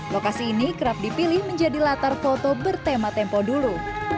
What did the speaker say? lokasi ini kerap dipilih menjadi latar foto bertema tempo dulu